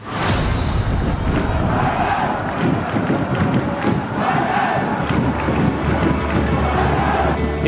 ไทยไทยไทย